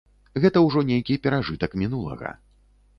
Гэта ўжо нейкі перажытак мінулага.